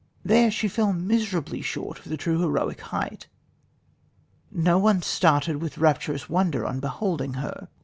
There she fell miserably short of the true heroic height...Not one started with rapturous wonder on beholding her...